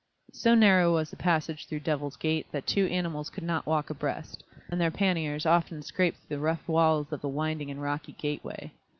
So narrow was the passage through Devil's Gate that two animals could not walk abreast, and their panniers often scraped the rough walls of the winding and rocky gate way.